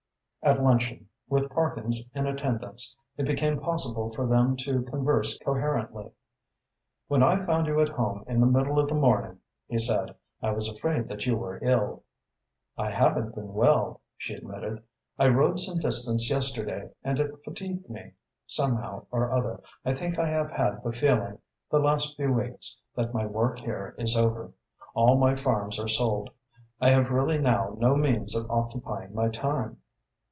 At luncheon, with Parkins in attendance, it became possible for them to converse coherently. "When I found you at home in the middle of the morning," he said, "I was afraid that you were Ill." "I haven't been well," she admitted. "I rode some distance yesterday and it fatigued me. Somehow or other, I think I have had the feeling, the last few weeks, that my work here is over. All my farms are sold. I have really now no means of occupying my time."